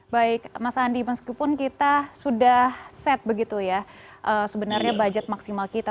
baik mas andi meskipun kita sudah set begitu ya sebenarnya budget maksimal kita